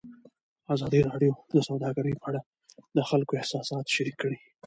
ازادي راډیو د سوداګري په اړه د خلکو احساسات شریک کړي.